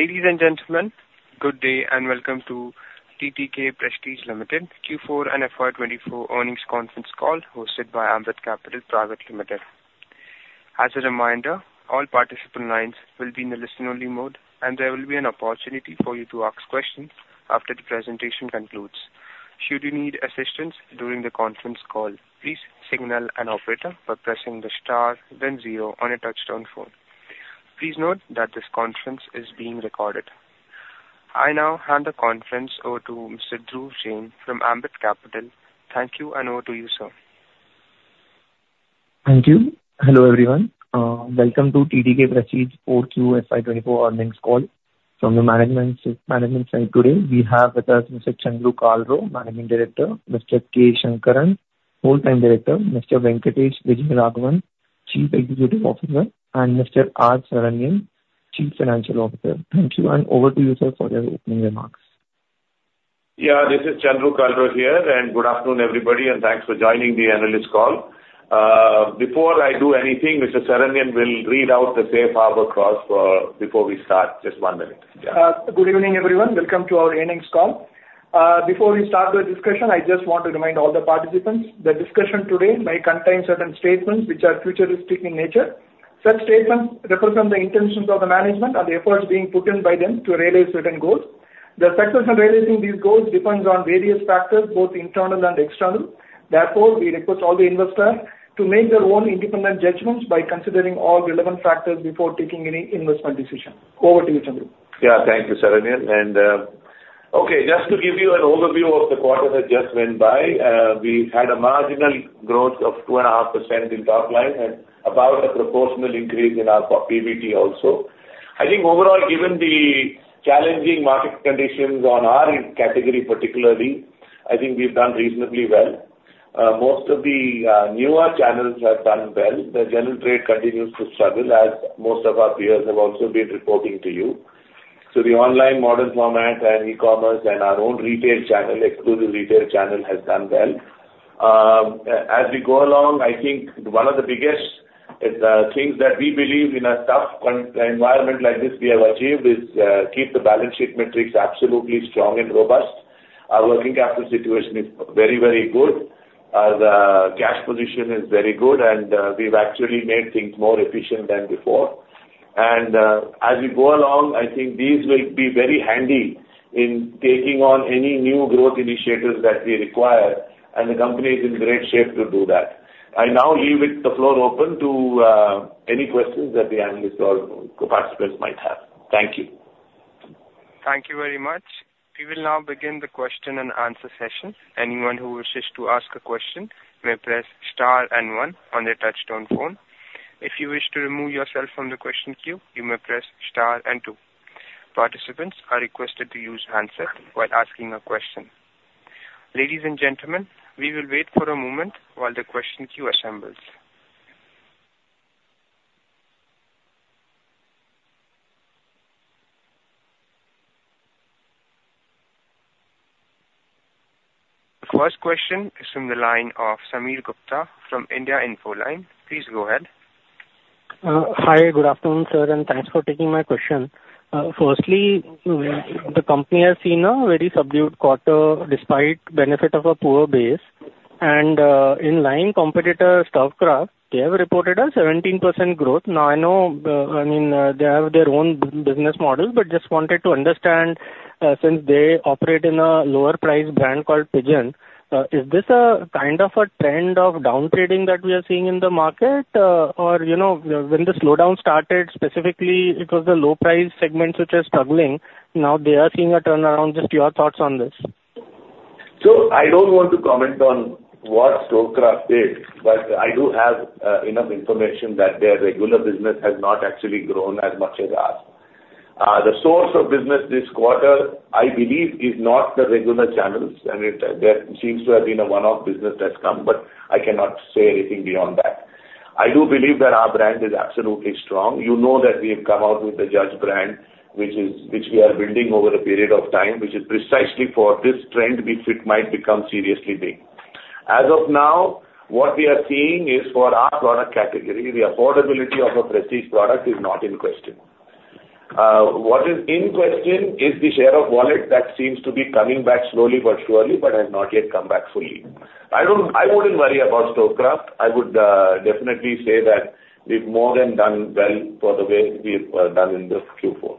Ladies and gentlemen, good day and welcome to TTK Prestige Limited Q4 and FY 2024 Earnings Conference Call hosted by Ambit Capital Private Limited. As a reminder, all participant lines will be in the listen-only mode, and there will be an opportunity for you to ask questions after the presentation concludes. Should you need assistance during the conference call, please signal an operator by pressing the star, then zero on a touch-tone phone. Please note that this conference is being recorded. I now hand the conference over to Mr. Dhruv Jain from Ambit Capital. Thank you, and over to you, sir. Thank you. Hello everyone. Welcome to TTK Prestige Q4 and FY 2024 Earnings Call from the management side. Today we have with us Mr. Chandru Kalro, Managing Director, Mr. K. Shankaran, Whole Time Director, Mr. Venkatesh Vijayaraghavan, Chief Executive Officer, and Mr. R. Saranyan, Chief Financial Officer. Thank you, and over to you, sir, for your opening remarks. Yeah, this is Chandru Kalro here, and good afternoon everybody, and thanks for joining the analyst call. Before I do anything, Mr. Saranyan will read out the Safe Harbor Clause before we start. Just one minute. Good evening everyone. Welcome to our earnings call. Before we start the discussion, I just want to remind all the participants that discussion today may contain certain statements which are futuristic in nature. Such statements represent the intentions of the management and the efforts being put in by them to realize certain goals. The success of realizing these goals depends on various factors, both internal and external. Therefore, we request all the investors to make their own independent judgements by considering all relevant factors before taking any investment decision. Over to you, Chandru. Yeah, thank you, Saranyan. Okay, just to give you an overview of the quarter that just went by, we had a marginal growth of 2.5% in top line and about a proportional increase in our PBT also. I think overall, given the challenging market conditions on our category particularly, I think we've done reasonably well. Most of the newer channels have done well. The general trade continues to struggle, as most of our peers have also been reporting to you. The online modern format and e-commerce and our own retail channel, exclusive retail channel, has done well. As we go along, I think one of the biggest things that we believe in a tough environment like this we have achieved is keep the balance sheet metrics absolutely strong and robust. Our working capital situation is very, very good. The cash position is very good, and we've actually made things more efficient than before, and as we go along, I think these will be very handy in taking on any new growth initiatives that we require, and the company is in great shape to do that. I now leave the floor open to any questions that the analysts or participants might have. Thank you. Thank you very much. We will now begin the question and answer session. Anyone who wishes to ask a question may press star and one on their touch-tone phone. If you wish to remove yourself from the question queue, you may press star and two. Participants are requested to use handset while asking a question. Ladies and gentlemen, we will wait for a moment while the question queue assembles. The first question is from the line of Sameer Gupta from India Infoline. Please go ahead. Hi, good afternoon, sir, and thanks for taking my question. Firstly, the company has seen a very subdued quarter despite the benefit of a poor base, and in line, competitor Stove Kraft, they have reported a 17% growth. Now, I know, I mean, they have their own business model, but just wanted to understand since they operate in a lower price brand called Pigeon. Is this a kind of a trend of downtrading that we are seeing in the market, or when the slowdown started, specifically it was the low price segments which are struggling. Now they are seeing a turnaround. Just your thoughts on this? I don't want to comment on what Stove Kraft did, but I do have enough information that their regular business has not actually grown as much as ours. The source of business this quarter, I believe, is not the regular channels. I mean, there seems to have been a one-off business that's come, but I cannot say anything beyond that. I do believe that our brand is absolutely strong. You know that we have come out with the Judge brand, which we are building over a period of time, which is precisely for this trend if it might become seriously big. As of now, what we are seeing is for our product category, the affordability of a Prestige product is not in question. What is in question is the share of wallet that seems to be coming back slowly but surely, but has not yet come back fully. I wouldn't worry about Stove Kraft. I would definitely say that we've more than done well for the way we've done in the Q4.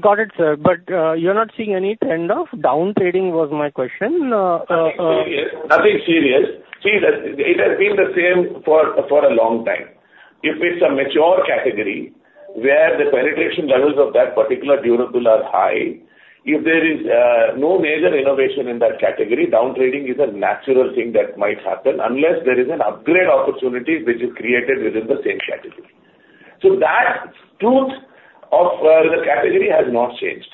Got it, sir, but you're not seeing any trend of downtrading, was my question. Nothing serious. Nothing serious. See, it has been the same for a long time. If it's a mature category where the penetration levels of that particular durable are high, if there is no major innovation in that category, downtrading is a natural thing that might happen unless there is an upgrade opportunity which is created within the same category, so that truth of the category has not changed.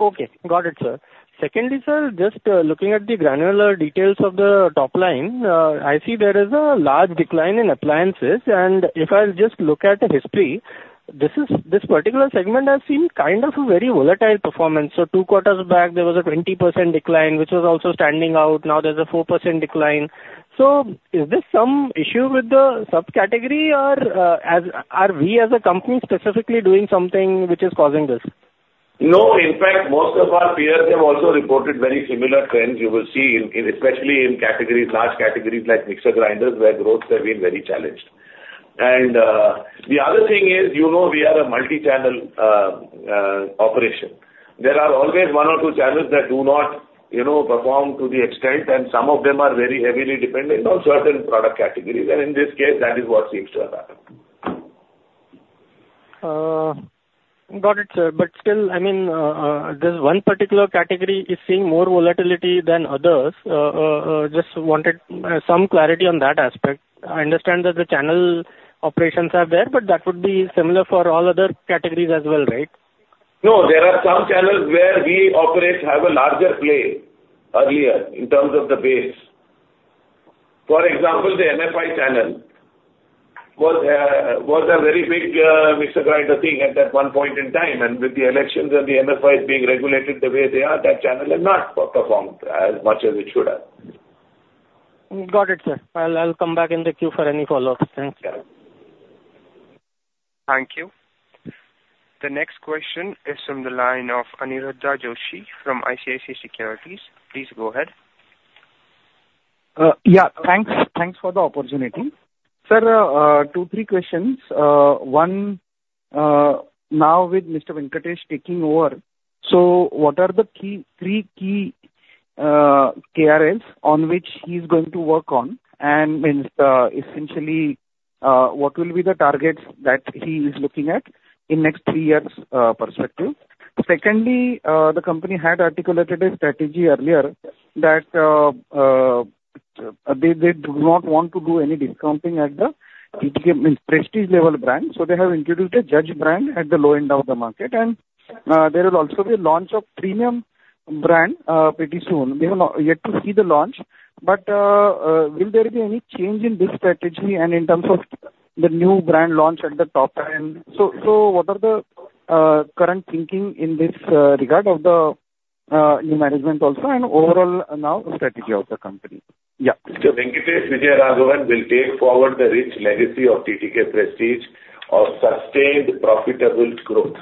Okay, got it, sir. Secondly, sir, just looking at the granular details of the top line, I see there is a large decline in appliances. And if I just look at history, this particular segment has seen kind of a very volatile performance. So two quarters back, there was a 20% decline, which was also standing out. Now there's a 4% decline. So is this some issue with the subcategory, or are we as a company specifically doing something which is causing this? No, in fact, most of our peers have also reported very similar trends. You will see, especially in large categories like mixer grinders, where growth has been very challenged. And the other thing is, you know we are a multi-channel operation. There are always one or two channels that do not perform to the extent, and some of them are very heavily dependent on certain product categories. And in this case, that is what seems to have happened. Got it, sir. But still, I mean, this one particular category is seeing more volatility than others. Just wanted some clarity on that aspect. I understand that the channel operations are there, but that would be similar for all other categories as well, right? No, there are some channels where we operate have a larger play earlier in terms of the base. For example, the MFI channel was a very big mixer grinder thing at that one point in time. And with the elections and the MFI being regulated the way they are, that channel has not performed as much as it should have. Got it, sir. I'll come back in the queue for any follow-ups. Thanks. Thank you. The next question is from the line of Aniruddha Joshi from ICICI Securities. Please go ahead. Yeah, thanks for the opportunity. Sir, two, three questions. One, now with Mr. Venkatesh taking over, so what are the three key KRAs on which he's going to work on? And essentially, what will be the targets that he is looking at in next three years' perspective? Secondly, the company had articulated a strategy earlier that they do not want to do any discounting at the Prestige level brand. So they have introduced a Judge brand at the low end of the market. And there will also be a launch of premium brand pretty soon. We have yet to see the launch. But will there be any change in this strategy and in terms of the new brand launch at the top line? So what are the current thinking in this regard of the new management also and overall now strategy of the company? Yeah. Mr. Venkatesh Vijayaraghavan will take forward the rich legacy of TTK Prestige of sustained profitable growth,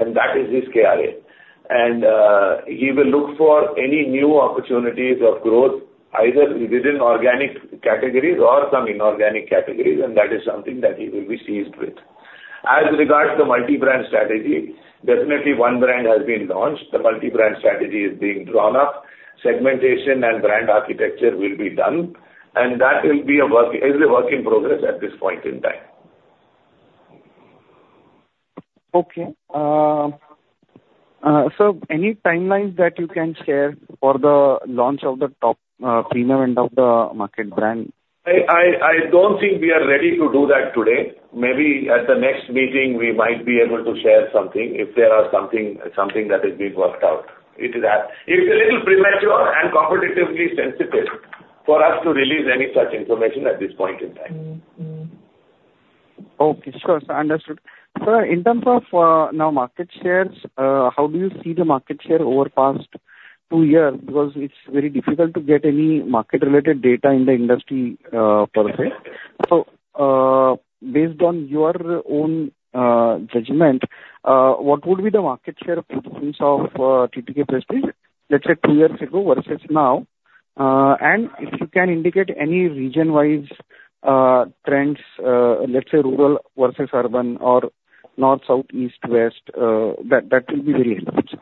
and that is his KRA, and he will look for any new opportunities of growth, either within organic categories or some inorganic categories, and that is something that he will be seized with. As regards to multi-brand strategy, definitely one brand has been launched. The multi-brand strategy is being drawn up. Segmentation and brand architecture will be done, and that will be a work in progress at this point in time. Okay. So any timelines that you can share for the launch of the top premium end of the market brand? I don't think we are ready to do that today. Maybe at the next meeting, we might be able to share something if there is something that has been worked out. It is a little premature and competitively sensitive for us to release any such information at this point in time. Okay, sure. Understood. Sir, in terms of now market shares, how do you see the market share over the past two years? Because it's very difficult to get any market-related data in the industry per se. So based on your own judgment, what would be the market share of TTK Prestige, let's say two years ago versus now? And if you can indicate any region-wise trends, let's say rural versus urban or north, south, east, west, that will be very helpful, sir.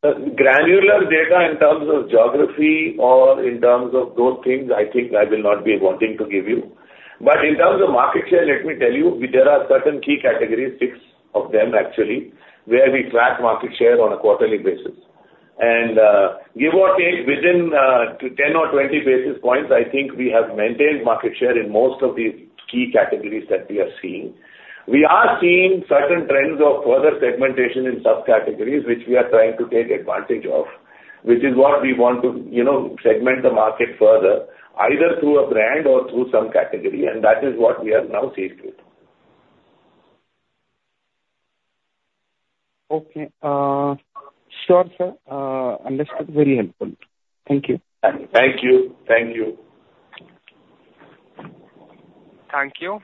Granular data in terms of geography or in terms of those things, I think I will not be wanting to give you. But in terms of market share, let me tell you, there are certain key categories, six of them actually, where we track market share on a quarterly basis. And give or take within 10 or 20 basis points, I think we have maintained market share in most of these key categories that we are seeing. We are seeing certain trends of further segmentation in subcategories, which we are trying to take advantage of, which is what we want to segment the market further, either through a brand or through some category. And that is what we are now seized with. Okay. Sure, sir. Understood. Very helpful. Thank you. Thank you. Thank you. Thank you.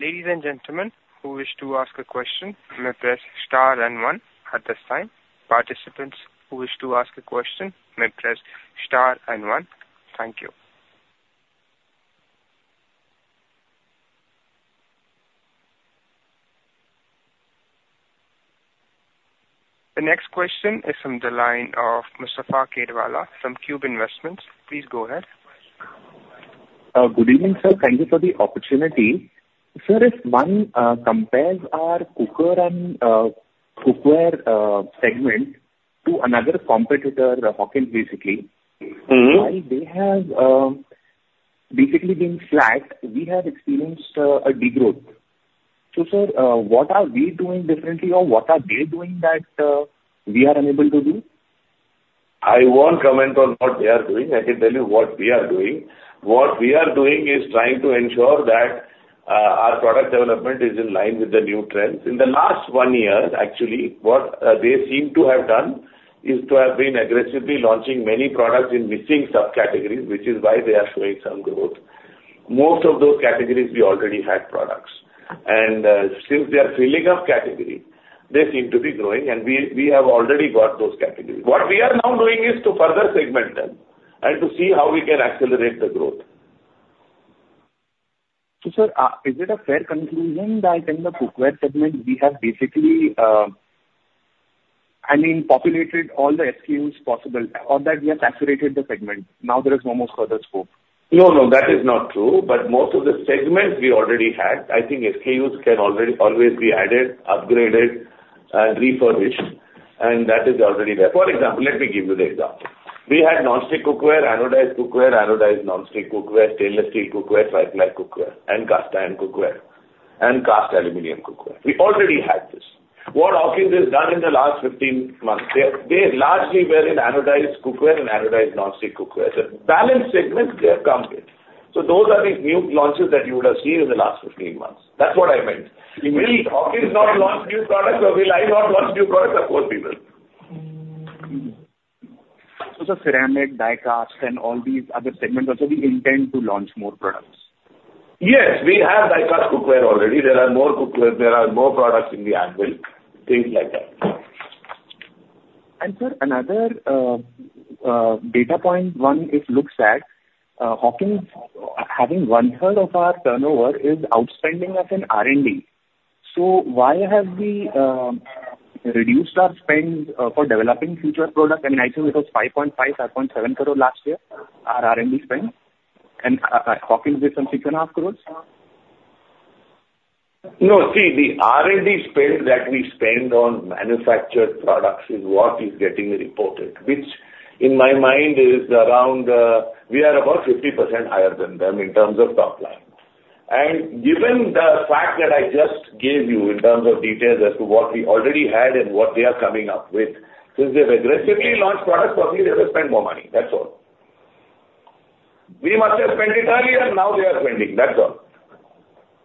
Ladies and gentlemen who wish to ask a question, may press star and one. At this time, participants who wish to ask a question, may press star and one. Thank you. The next question is from the line of Mustafa Khedwala from Cube Investments. Please go ahead. Good evening, sir. Thank you for the opportunity. Sir, if one compares our cookware segment to another competitor, Hawkins basically, while they have basically been flat, we have experienced a degrowth. So sir, what are we doing differently or what are they doing that we are unable to do? I won't comment on what they are doing. I can tell you what we are doing. What we are doing is trying to ensure that our product development is in line with the new trends. In the last one year, actually, what they seem to have done is to have been aggressively launching many products in missing subcategories, which is why they are showing some growth. Most of those categories, we already had products. And since they are filling up categories, they seem to be growing, and we have already got those categories. What we are now doing is to further segment them and to see how we can accelerate the growth. So sir, is it a fair conclusion that in the cookware segment, we have basically, I mean, populated all the SKUs possible or that we have saturated the segment? Now there is almost further scope. No, no, that is not true. But most of the segments we already had, I think SKUs can always be added, upgraded, and refurbished, and that is already there. For example, let me give you the example. We had non-stick cookware, anodized cookware, anodized non-stick cookware, stainless steel cookware, tri-ply cookware, and cast iron cookware, and cast aluminum cookware. We already had this. What Hawkins has done in the last 15 months, they largely were in anodized cookware and anodized non-stick cookware. The balanced segment, they have come with. So those are the new launches that you would have seen in the last 15 months. That's what I meant. Will Hawkins not launch new products or will I not launch new products? Of course, we will. Sir, ceramic, die-cast, and all these other segments. Also we intend to launch more products? Yes, we have die-cast cookware already. There are more cookware. There are more products on the anvil, things like that. Sir, another data point. One, it looks at, Hawkins having one-third of our turnover is outspending us on R&D. So why have we reduced our spend for developing future products? I mean, I think it was 5.5-5.7 crore last year, our R&D spend. And Hawkins did some 6.5 crores? No, see, the R&D spend that we spend on manufactured products is what is getting reported, which in my mind is around we are about 50% higher than them in terms of top line. And given the fact that I just gave you in terms of details as to what we already had and what they are coming up with, since they've aggressively launched products, obviously they will spend more money. That's all. We must have spent it earlier. Now they are spending. That's all.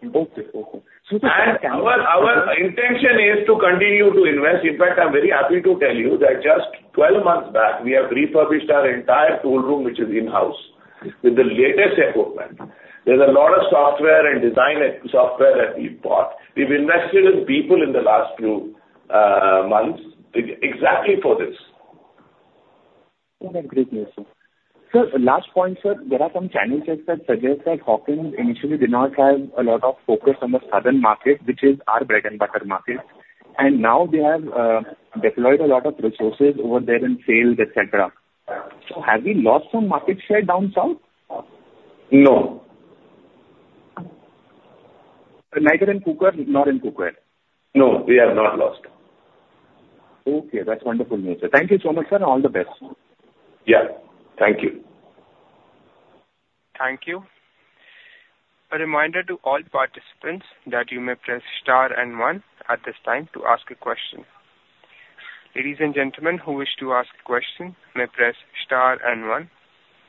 Okay, okay. Our intention is to continue to invest. In fact, I'm very happy to tell you that just 12 months back, we have refurbished our entire tool room, which is in-house, with the latest equipment. There's a lot of software and design software that we bought. We've invested in people in the last few months exactly for this. That's great news, sir. Sir, last point, sir, there are some channels that suggest that Hawkins initially did not have a lot of focus on the southern market, which is our bread-and-butter market. And now they have deployed a lot of resources over there in sales, etc. So have we lost some market share down south? No. Neither in cookware nor in cookware? No, we have not lost. Okay, that's wonderful news, sir. Thank you so much, sir, and all the best. Yeah, thank you. Thank you. A reminder to all participants that you may press star and one at this time to ask a question. Ladies and gentlemen who wish to ask a question, may press star and one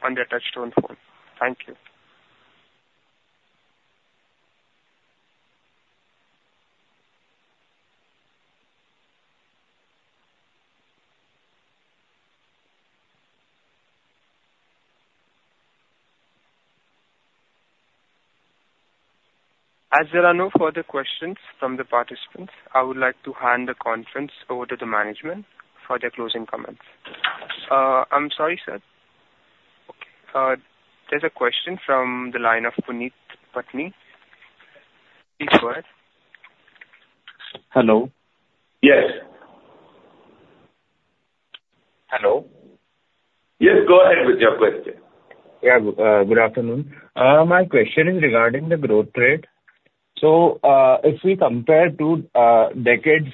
on their touch-tone phone. Thank you. As there are no further questions from the participants, I would like to hand the conference over to the management for their closing comments. I'm sorry, sir. Okay. There's a question from the line of Puneet Patni. Please go ahead. Hello? Yes. Hello? Yes, go ahead with your question. Yeah, good afternoon. My question is regarding the growth rate. So if we compare two decades,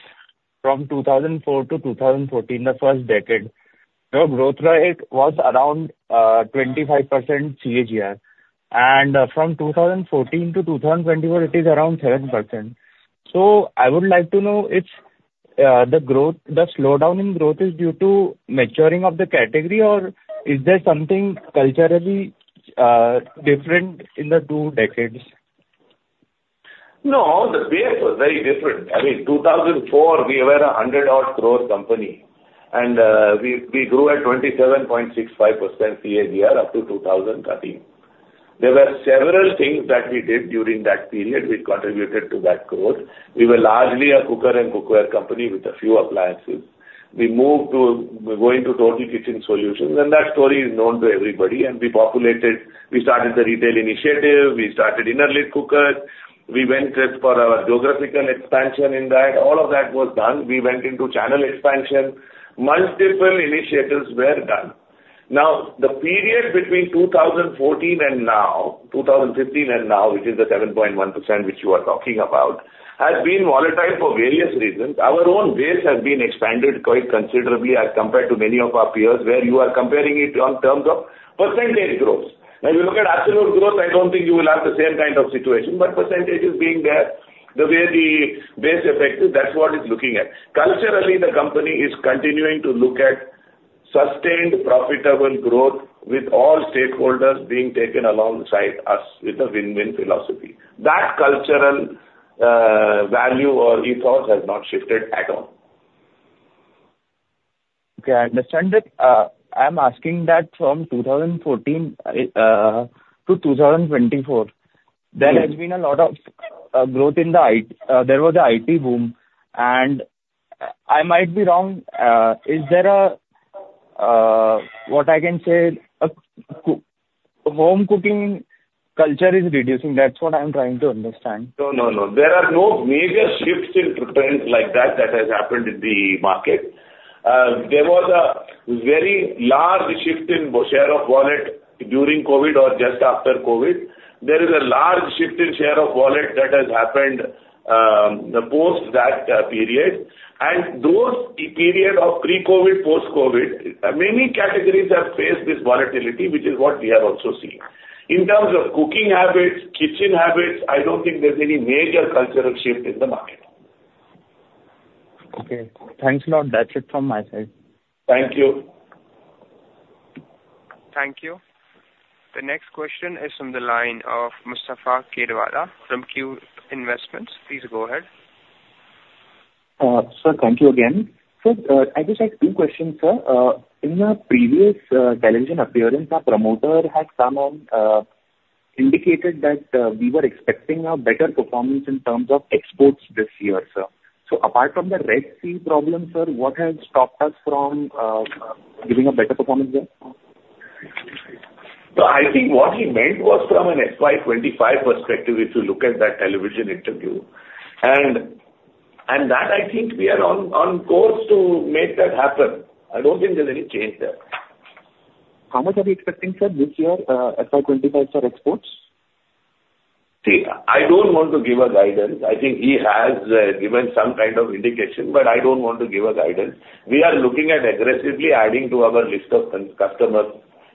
from 2004 to 2014, the first decade, the growth rate was around 25% CAGR. And from 2014 to 2024, it is around 7%. So I would like to know if the slowdown in growth is due to maturing of the category or is there something culturally different in the two decades? No, the pace was very different. I mean, 2004, we were a 100-odd crore company. And we grew at 27.65% CAGR up to 2013. There were several things that we did during that period which contributed to that growth. We were largely a cookware and cookware company with a few appliances. We moved to going to total kitchen solutions. And that story is known to everybody. And we populated, we started the retail initiative. We started inner lid cookers. We went for our geographical expansion in that. All of that was done. We went into channel expansion. Multiple initiatives were done. Now, the period between 2014 and now, 2015 and now, which is the 7.1% which you are talking about, has been volatile for various reasons. Our own base has been expanded quite considerably as compared to many of our peers where you are comparing it in terms of percentage growth. Now, if you look at absolute growth, I don't think you will have the same kind of situation. But percentage is being there. The way the base effect is, that's what it's looking at. Culturally, the company is continuing to look at sustained profitable growth with all stakeholders being taken alongside us with a win-win philosophy. That cultural value or ethos has not shifted at all. Okay, I understand it. I'm asking that from 2014 to 2024. There has been a lot of growth in the IT. There was an IT boom. And I might be wrong. Is there a, what I can say, home cooking culture is reducing? That's what I'm trying to understand. No, no, no. There are no major shifts in trends like that that has happened in the market. There was a very large shift in share of wallet during COVID or just after COVID. There is a large shift in share of wallet that has happened post that period, and those periods of pre-COVID, post-COVID, many categories have faced this volatility, which is what we have also seen. In terms of cooking habits, kitchen habits, I don't think there's any major cultural shift in the market. Okay. Thanks, [nod]. That's it from my side. Thank you. Thank you. The next question is from the line of Mustafa Khedwala from Cube Investments. Please go ahead. Sir, thank you again. Sir, I just have two questions, sir. In your previous television appearance, a promoter had come and indicated that we were expecting a better performance in terms of exports this year, sir. So apart from the Red Sea problem, sir, what has stopped us from giving a better performance there? So I think what he meant was from an FY 2025 perspective, if you look at that television interview. And that, I think we are on course to make that happen. I don't think there's any change there. How much are we expecting, sir, this year, FY 2025, sir, exports? See, I don't want to give a guidance. I think he has given some kind of indication, but I don't want to give a guidance. We are looking at aggressively adding to our list of customers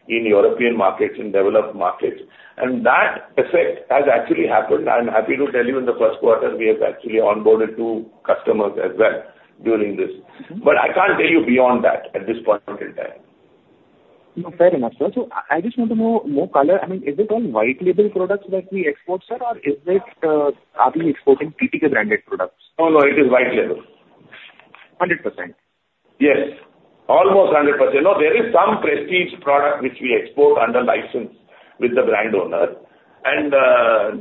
in European markets and developed markets. And that effect has actually happened. I'm happy to tell you in the first quarter, we have actually onboarded two customers as well during this. But I can't tell you beyond that at this point in time. Fair enough, sir. So I just want to know more color. I mean, is it all white label products that we export, sir, or are we exporting TTK branded products? No, no, it is white label. 100%? Yes. Almost 100%. No, there is some Prestige product which we export under license with the brand owner, and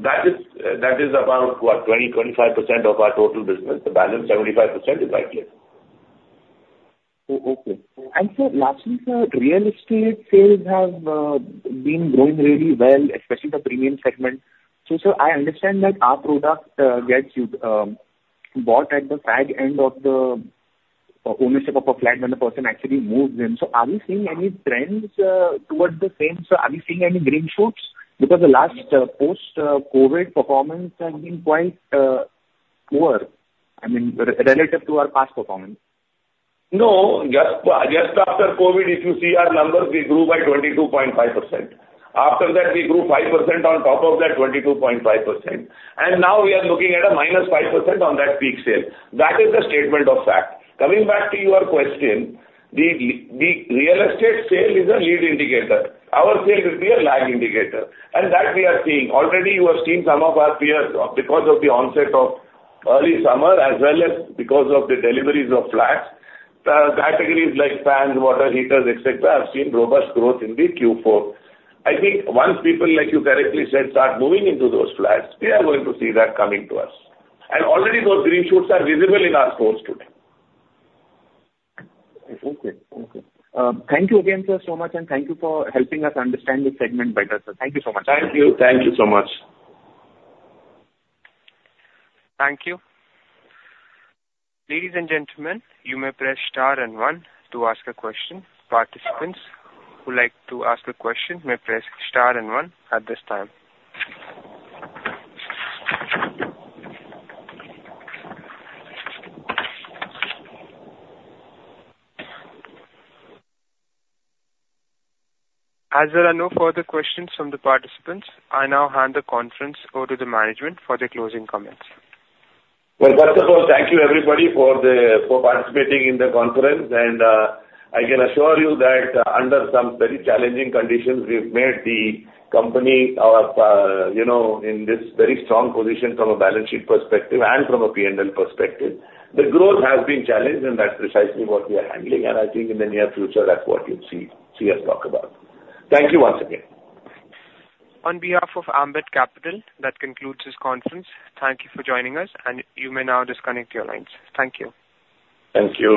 that is about 20-25% of our total business. The balance, 75% is white label. Okay. And sir, lastly, sir, real estate sales have been growing really well, especially the premium segment. So sir, I understand that our product gets bought at the fag end of the ownership of a flat when the person actually moves in. So are we seeing any trends towards the same? So are we seeing any green shoots? Because the last post-COVID performance has been quite poor, I mean, relative to our past performance. No, just after COVID, if you see our numbers, we grew by 22.5%. After that, we grew 5% on top of that 22.5%. And now we are looking at a -5% on that peak sale. That is the statement of fact. Coming back to your question, the real estate sale is a lead indicator. Our sale will be a lag indicator. And that we are seeing. Already, you have seen some of our peers because of the onset of early summer as well as because of the deliveries of flats. Categories like fans, water heaters, etc. have seen robust growth in the Q4. I think once people, like you correctly said, start moving into those flats, we are going to see that coming to us. And already, those green shoots are visible in our stores today. Okay, okay. Thank you again, sir, so much, and thank you for helping us understand this segment better, sir. Thank you so much. Thank you. Thank you so much. Thank you. Ladies and gentlemen, you may press star and one to ask a question. Participants who like to ask a question may press star and one at this time. As there are no further questions from the participants, I now hand the conference over to the management for their closing comments. First of all, thank you, everybody, for participating in the conference. I can assure you that under some very challenging conditions, we've made the company in this very strong position from a balance sheet perspective and from a P&L perspective. The growth has been challenged, and that's precisely what we are handling. I think in the near future, that's what you'll see us talk about. Thank you once again. On behalf of Ambit Capital, that concludes this conference. Thank you for joining us, and you may now disconnect your lines. Thank you. Thank you.